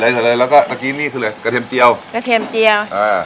ใส่เลยใส่เลยแล้วก็เมื่อกี้นี่คืออะไรกระเทมเจียวกระเทมเจียวอ่า